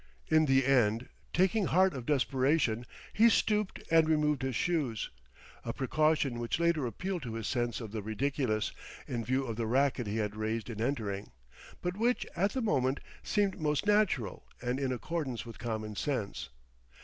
In the end, taking heart of desperation, he stooped and removed his shoes; a precaution which later appealed to his sense of the ridiculous, in view of the racket he had raised in entering, but which at the moment seemed most natural and in accordance with common sense.